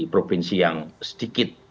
provinsi yang sedikit